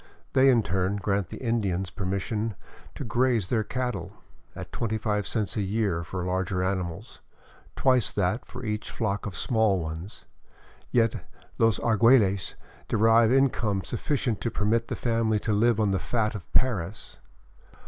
They in turn grant the Indians permission to graze their cattle, — at 25 cents a year for larger animals, twice that for each flock of small ones ; yet " los Arguelles derive income sufficient to permit the family to live on the fat of Paris.